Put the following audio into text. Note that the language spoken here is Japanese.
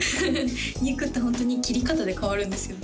肉ってホントに切り方で変わるんですよ